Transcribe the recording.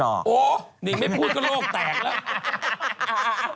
โหนิ่งไม่พูดก็โรคแตก